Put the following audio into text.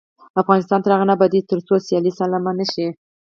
افغانستان تر هغو نه ابادیږي، ترڅو سیالي سالمه نشي.